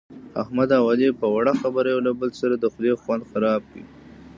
احمد اوعلي په وړه خبره یو له بل سره د خولې خوند خراب کړ.